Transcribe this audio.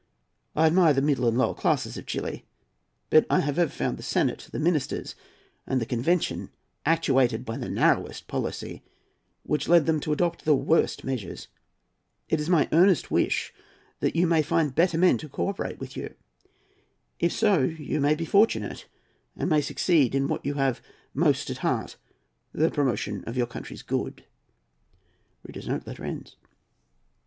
I admire the middle and lower classes of Chili, but I have ever found the senate, the ministers, and the convention actuated by the narrowest policy, which led them to adopt the worst measures. It is my earnest wish that you may find better men to co operate with you. If so, you may be fortunate and may succeed in what you have most at heart, the promotion of your country's good."